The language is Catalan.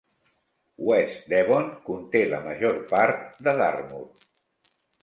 West Devon conté la major part de Dartmoor.